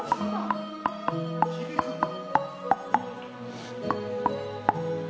響くんだ。